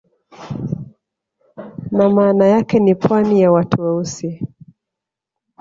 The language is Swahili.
Na maana yake ni pwani ya watu weusi